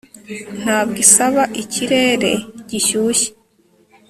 ntabwo isaba ikirere gishyushye